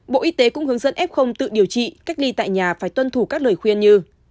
bộ y tế cũng hướng dẫn f tự điều trị cách ly tại nhà phải tuân thủ các lời khuyên như